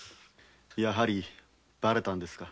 やはりばれたんですか？